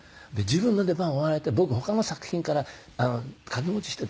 自分の出番終わられて僕他の作品から掛け持ちしてて。